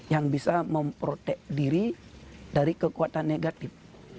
yang bisa memprotek diri dari kekuatan negatif